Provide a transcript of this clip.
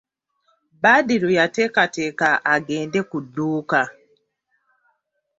Badru yateekateeka agende ku dduuka.